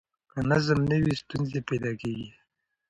که نظم نه وي، ستونزې پیدا کېږي.